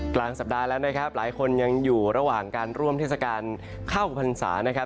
กลางสัปดาห์แล้วนะครับหลายคนยังอยู่ระหว่างการร่วมเทศกาลเข้าพรรษานะครับ